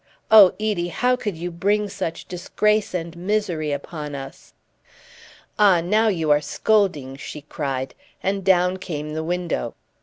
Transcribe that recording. Oh, Edie, how could you bring such disgrace and misery upon us?" "Ah, now you are scolding!" she cried, and down came the window.